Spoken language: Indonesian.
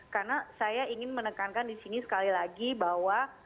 karena saya ingin menekankan di sini sekali lagi bahwa